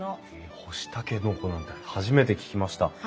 干しタケノコなんて初めて聞きました。